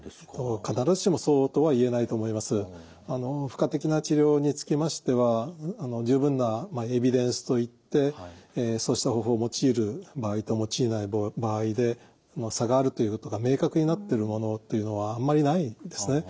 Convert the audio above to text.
付加的な治療につきましては十分なエビデンスといってそうした方法を用いる場合と用いない場合で差があるということが明確になってるものというのはあんまりないんですね。